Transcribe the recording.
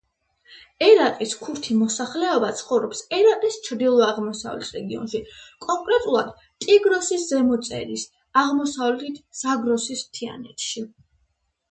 ერაყის ქურთი მოსახლეობა ცხოვრობს ერაყის ჩრდილო-აღმოსავლეთ რეგიონში, კონკრეტულად ტიგროსის ზემო წელის აღმოსავლეთით ზაგროსის მთიანეთში.